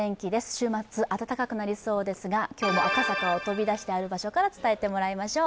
週末暖かくなりそうですが今日も赤坂を飛び出して、ある場所から伝えてもらいましょう。